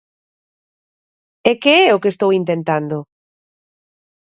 ¿E que é o que estou intentando?